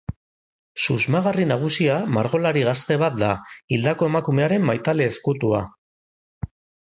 Susmagarri nagusia margolari gazte bat da, hildako emakumearen maitale ezkutua.